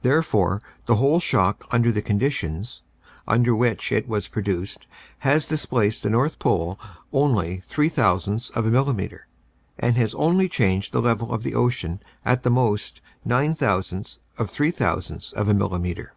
"Therefore the whole shock under the conditions under which it was produced has displaced the North Pole only three thousandths of a milimeter, and has only changed the level of the ocean at the most nine thousandths of three thousandths of a milimetre.